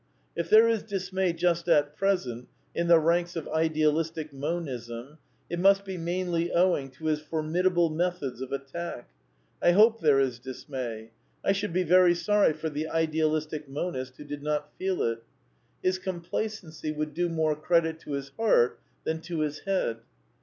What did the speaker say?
If there is dismay just at present in the ranks of Idealistic Monism, it must be mainly owing to his formidable methods of attack. I hope there is dis may. I should be very sorry for the idealistic monist who did not feel it. His complacency would do more credit to his heart than to his head.